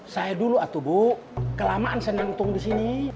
saya dulu atuh bu kelamaan saya nantung disini